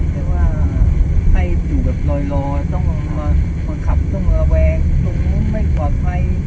ใครหว่าอยู่รอยรอแล้วต้องมาขับต้องมาแวงตรงมุ้มไม่กว่าพัย